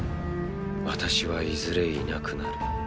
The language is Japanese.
私はいずれいなくなる。